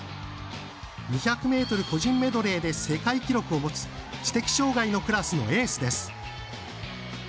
２００ｍ個人メドレーで世界記録を持つ知的障がいのクラスのエースです。